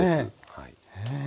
はい。